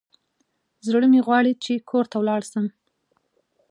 زړه مي غواړي چي کور ته ولاړ سم.